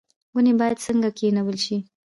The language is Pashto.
ونې باید څنګه کینول شي؟